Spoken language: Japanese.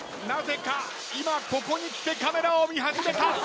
なぜか今ここにきてカメラを見始めた。